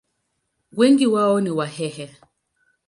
Wengi wao ni Wahehe.